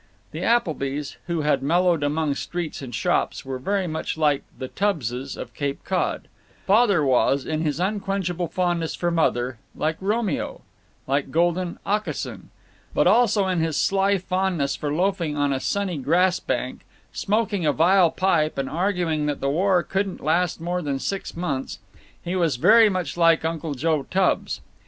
The Applebys, who had mellowed among streets and shops, were very much like the Tubbses of Cape Cod. Father was, in his unquenchable fondness for Mother, like Romeo, like golden Aucassin. But also in his sly fondness for loafing on a sunny grass bank, smoking a vile pipe and arguing that the war couldn't last more than six months, he was very much like Uncle Joe Tubbs.